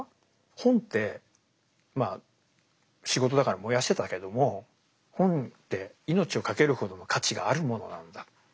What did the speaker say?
本ってまあ仕事だから燃やしてたけども本って命をかけるほどの価値があるものなんだ。